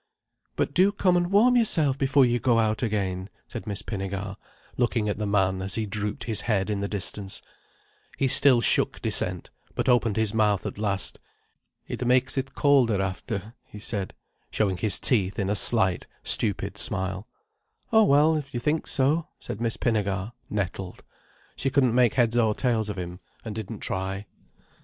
"But do come and warm yourself before you go out again," said Miss Pinnegar, looking at the man as he drooped his head in the distance. He still shook dissent, but opened his mouth at last. "It makes it colder after," he said, showing his teeth in a slight, stupid smile. "Oh well, if you think so," said Miss Pinnegar, nettled. She couldn't make heads or tails of him, and didn't try.